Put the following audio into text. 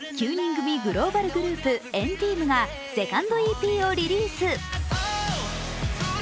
９人組グローバルグループ、＆ＴＥＡＭがセカンドＥＰをリリース。